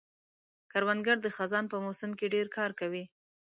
کروندګر د خزان په موسم کې ډېر کار کوي